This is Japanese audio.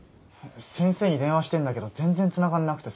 先生に電話してんだけど全然つながんなくてさ。